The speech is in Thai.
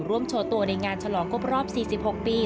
โชว์ตัวในงานฉลองครบรอบ๔๖ปี